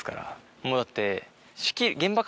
もうだって。